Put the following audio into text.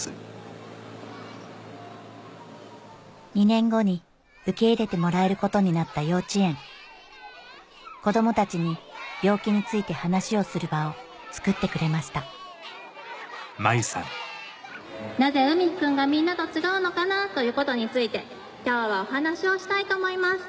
２年後に受け入れてもらえることになった幼稚園子供たちに病気について話をする場をつくってくれましたなぜ海陽くんがみんなと違うのかなということについて今日はお話をしたいと思います。